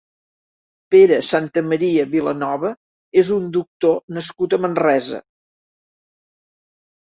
Pere Santamaria Vilanova és un doctor nascut a Manresa.